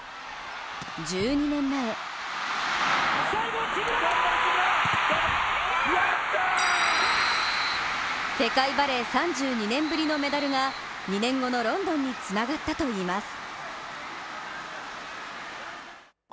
１２年前世界バレー３２年ぶりのメダルが２年後のロンドンにつながったといいます。